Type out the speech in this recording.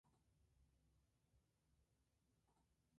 El chico tomó a Amar Das como mentor y le sirvió.